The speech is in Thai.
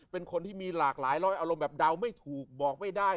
เป็นคนที่มีหลากหลายร้อยอารมณ์แบบเดาไม่ถูกบอกไม่ได้